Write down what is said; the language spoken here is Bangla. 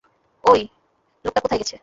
এই, লোকটা কোথায় গেছে?